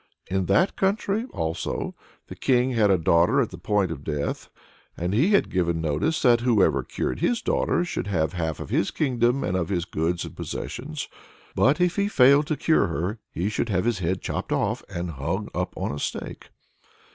In that country, also, the King had a daughter at the point of death, and he had given notice that whoever cured his daughter should have half of his kingdom and of his goods and possessions; but if he failed to cure her he should have his head chopped off and hung up on a stake.